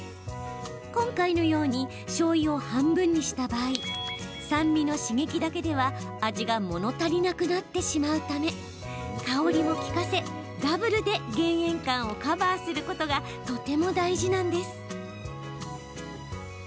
今回のようにしょうゆを半分にした場合酸味の刺激だけでは、味がもの足りなくなってしまうため香りも利かせ、ダブルで減塩感をカバーすることがとても大事なんです。